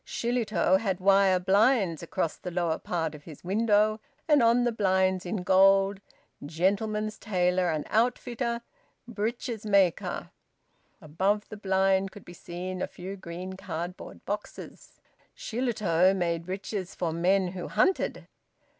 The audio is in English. Shillitoe had wire blinds across the lower part of his window, and on the blinds, in gold, "Gentlemen's tailor and outfitter. Breeches maker." Above the blind could be seen a few green cardboard boxes. Shillitoe made breeches for men who hunted.